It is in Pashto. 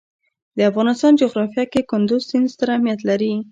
د افغانستان جغرافیه کې کندز سیند ستر اهمیت لري.